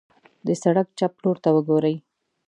د سړک چپ لورته وګورئ.